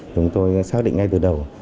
chúng tôi xác định ngay từ đầu